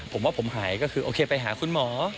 ผมว่าผมหายก็คือโอเคไปหาคุณหมอ